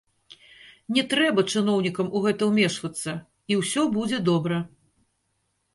Не трэба чыноўнікам у гэта ўмешвацца, і ўсё будзе добра.